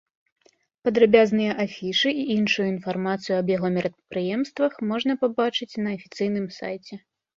Падрабязныя афішы і іншую інфармацыю аб яго мерапрыемствах можна пабачыць на афіцыйным сайце.